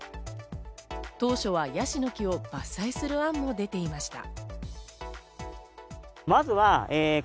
当初はヤシの木を伐採する案も出ていました。